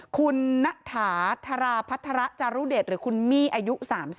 คุณณฐาธาราพัฒระจารุเดชหรือคุณมี่อายุ๓๐